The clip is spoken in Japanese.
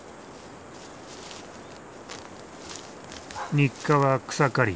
日課は草刈り。